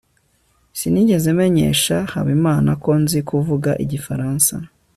sinigeze menyesha habimana ko nzi kuvuga igifaransa